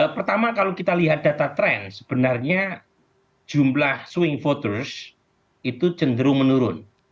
pertama kalau kita lihat data tren sebenarnya jumlah swing voters itu cenderung menurun